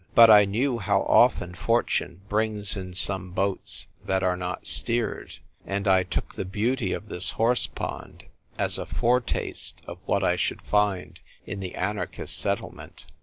But I knew how often fortune brings in some boats that are not steered ; and I took the beauty of this " horse pond " as a foretaste of what I should find in the anarchist settle ment.